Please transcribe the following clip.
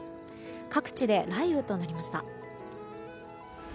各地で雷雨となりました。